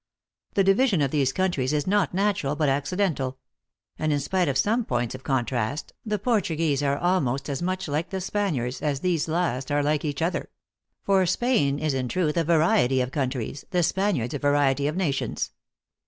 The division of these countries is not natural, but accidental ; and in spite of some points of con trast, the Portuguese are almost as much like the Spaniards, as these last are like each other for Spain THE ACT11ESS IN HIGH LIFE. 277 is in truth a variety of countries, the Spaniards a variety of nations."